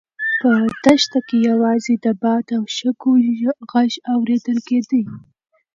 په دښته کې یوازې د باد او شګو غږ اورېدل کېږي.